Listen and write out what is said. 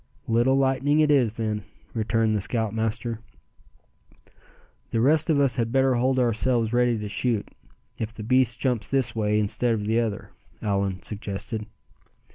"Little lightning it is, then," returned the scoutmaster. "The rest of us had better hold ourselves ready to shoot, if the beast jumps this way instead of the other," Allan suggested.